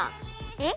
えっ？